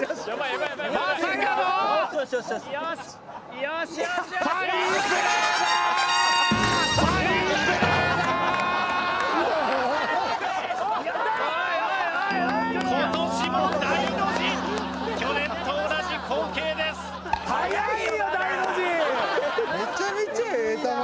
めちゃめちゃええ球やん。